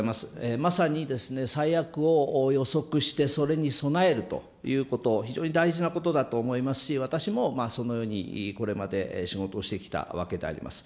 まさに最悪を予測して、それに備えるということ、非常に大事なことだと思いますし、私もそのようにこれまで仕事をしてきたわけであります。